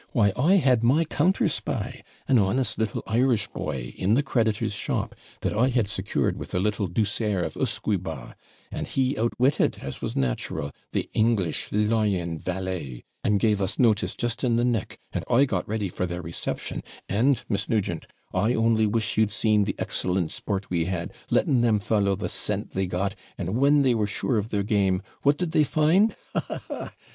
Why, I had my counter spy, an honest little Irish boy, in the creditor's shop, that I had secured with a little douceur of usquebaugh; and he outwitted, as was natural, the English lying valet, and gave us notice just in the nick, and I got ready for their reception; and, Miss Nugent, I only wish you'd seen the excellent sport we had, letting them follow the scent they got; and when they were sure of their game, what did they find? Ha! ha!